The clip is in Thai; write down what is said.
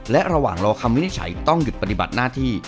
และระหว่างรอคำวินิจฉัยต้องหยุดปฏิบัติหน้าที่